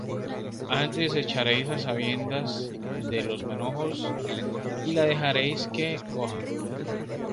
Antes echaréis á sabiendas de los manojos, y la dejaréis que coja.